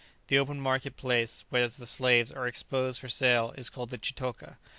The open marketplace where the slaves are exposed for sale is called the chitoka.